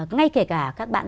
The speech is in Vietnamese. ngay kể cả các bạn